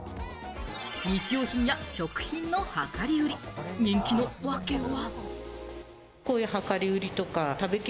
日用品や食品の量り売り、人気の訳は。